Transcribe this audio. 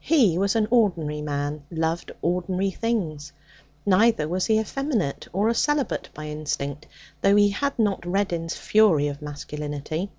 He was an ordinary man, loved ordinary things. Neither was he effeminate or a celibate by instinct, though he had not Reddin's fury of masculinity.